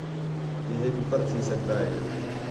کہ ہِے کُکر تھی سڳدا ہِے